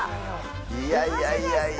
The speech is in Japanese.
いやいやいや。